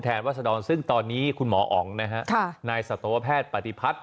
รัศดรซึ่งตอนนี้คุณหมออ๋องนะฮะนายสัตวแพทย์ปฏิพัฒน์